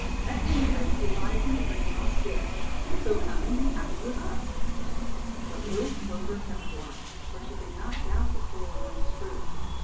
At any rate he lies in the green Moss dead. So come and be happy with us." But little Clover kept' watch, for she did not doubt the poor Worm's truth.